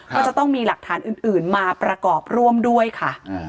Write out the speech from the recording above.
ก็จะต้องมีหลักฐานอื่นมาประกอบร่วมด้วยค่ะ